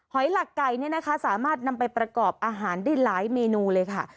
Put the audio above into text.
หลักไก่เนี่ยนะคะสามารถนำไปประกอบอาหารได้หลายเมนูเลยค่ะ